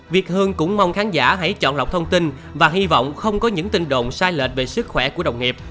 việt hương cũng mong khán giả hãy chọn lọc thông tin và hy vọng không có những tin đồn sai lệch về sức khỏe của đồng nghiệp